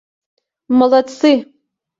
— Молодцы!..